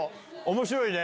面白いね。